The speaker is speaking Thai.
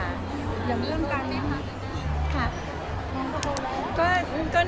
อย่างเรื่องการเล่นค่ะ